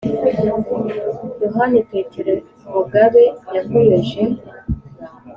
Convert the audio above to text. yohani petero mugabe yakomeje.